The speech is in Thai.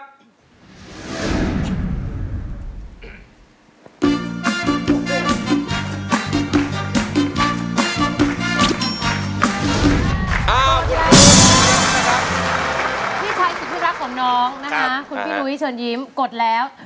พี่ชายสุดที่รักของน้องนะคะคุณพี่นุ้ยเชิญยิ้มกดแล้ว